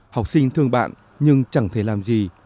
học sinh thương bạn nhưng chẳng thể làm gì